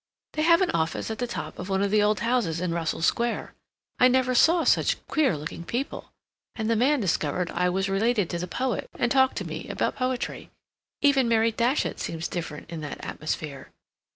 "They have an office at the top of one of the old houses in Russell Square. I never saw such queer looking people. And the man discovered I was related to the poet, and talked to me about poetry. Even Mary Datchet seems different in that atmosphere."